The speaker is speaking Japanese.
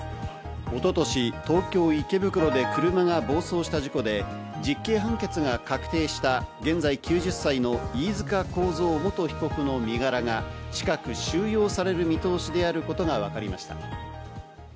一昨年、東京・池袋で車が暴走した事故で実刑判決が確定した、現在９０歳の飯塚幸三元被告の身柄が近く収容される見通しであることがわかりました。